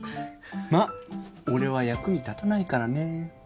ま俺は役に立たないからね。